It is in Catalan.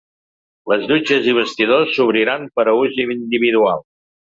Les dutxes i vestidors s’obriran per a ús individual.